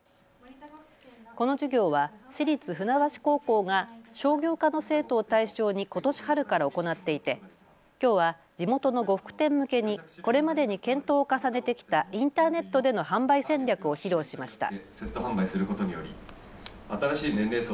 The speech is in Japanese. この授業は市立船橋高校が商業科の生徒を対象にことし春から行っていて、きょうは地元の呉服店向けにこれまでに検討を重ねてきたインターネットでの販売戦略を披露しました。